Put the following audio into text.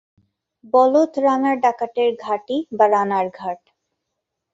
বলত রানার ডাকাতের ঘাঁটি বা রানার ঘাট।